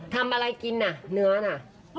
ทำอะไรกินน่ะเนื้อน่ะ